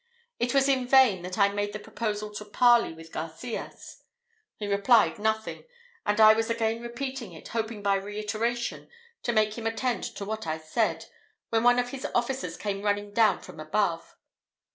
It was in vain that I made the proposal to parley with Garcias: he replied nothing; and I was again repeating it, hoping by reiteration to make him attend to what I said, when one of his officers came running down from above.